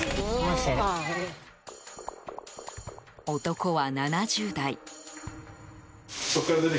男は７０代。